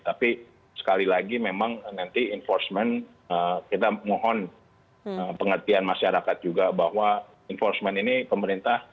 tapi sekali lagi memang nanti enforcement kita mohon pengertian masyarakat juga bahwa enforcement ini pemerintah